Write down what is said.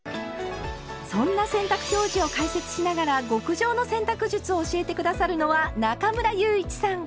そんな洗濯表示を解説しながら極上の洗濯術を教えて下さるのは中村祐一さん。